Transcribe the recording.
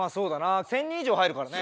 １，０００人以上入るからね。